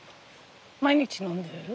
毎日飲んでいる？